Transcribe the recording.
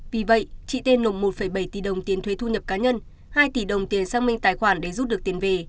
vì vậy chị tên nộp một bảy tỷ đồng tiền thuế thu nhập cá nhân hai tỷ đồng tiền sang minh tài khoản để rút được tiền về